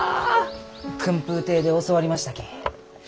薫風亭で教わりましたき。